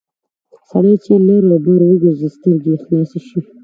سړی چې لر او بر وګرځي سترګې یې خلاصې شي...